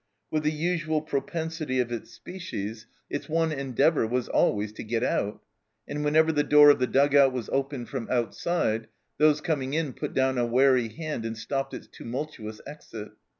With ithe usual propensity of its species, 264 THE CELLAR HOUSE OF PERVYSE its one endeavour was always to get out, and whenever the door of the dug out was opened from outside, those coming in put down a wary hand and stopped its tumultuous exit.